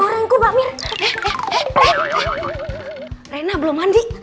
aku janji aku akan jadi istri yang lebih baik lagi buat kamu